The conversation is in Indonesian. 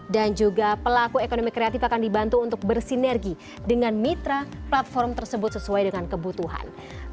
dan juga pelaku ekonomi kreatif akan dibantu untuk bersinergi dengan mitra platform tersebut sesuai dengan kebutuhan